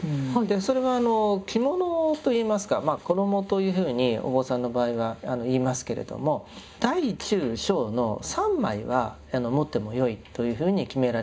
それは着物といいますか衣というふうにお坊さんの場合は言いますけれども大中小の３枚は持ってもよいというふうに決められていたんです。